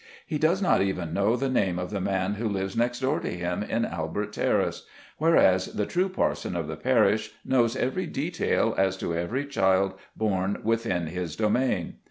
He does not even know the name of the man who lives next door to him in Albert Terrace; whereas the true parson of the parish knows every detail as to every child born within his domain.